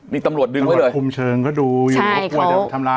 มีตำลวดดึงไว้เลยคุมเชิงก็ดูใช่เขากลัวจะไปทำร้าย